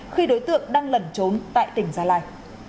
khi đối tượng đang lẩn trốn tại tỉnh gia lai